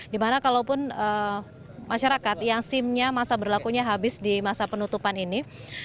dimana kalaupun masyarakat yang sim nya masa berlakunya habis di masa penutupan ini